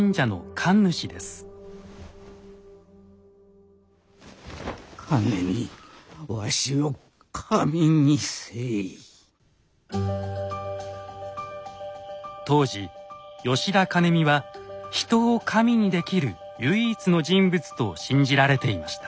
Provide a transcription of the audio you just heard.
兼見当時吉田兼見は人を神にできる唯一の人物と信じられていました。